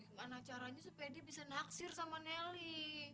bagaimana caranya sepedi bisa naksir sama nelly